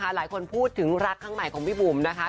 หลายคนพูดถึงรักครั้งใหม่ของพี่บุ๋มนะคะ